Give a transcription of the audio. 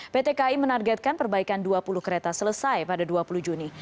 pt kai menargetkan perbaikan dua puluh kereta selesai pada dua puluh juni